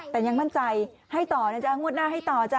แต่ยังมั่นใจให้ต่อนะจ๊ะงวดหน้าให้ต่อจ้